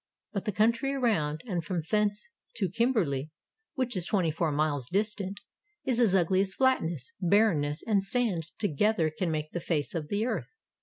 But the country around, and from thence to Kimberley, which is twenty four miles distant, is as ugly as flatness, barrenness, and sand together can make the face of the earth.